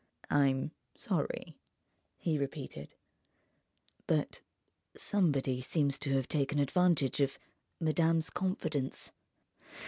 "I'm sorry," he repeated; "but somebody seems to have taken advantage of madame's confidence.